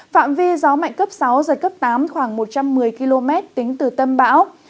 phạm vi gió mạnh cấp sáu giật cấp tám khoảng một trăm một mươi km tính từ tâm bão